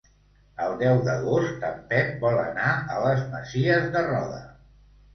El deu d'agost en Pep vol anar a les Masies de Roda.